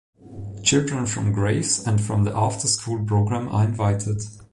Children from Grace and from the after-school program are invited.